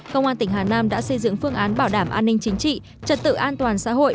công an tỉnh hà nam đã xây dựng phương án bảo đảm an ninh chính trị trật tự an toàn xã hội